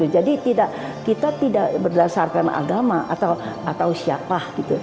jadi kita tidak berdasarkan agama atau siapa